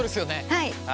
はい。